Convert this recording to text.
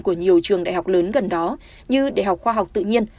của nhiều trường đại học lớn gần đó như đại học khoa học tự nhiên